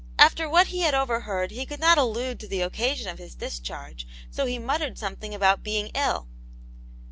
After what he had overheard he could not allude to the occasion of his discharge, so he muttered something about being ill.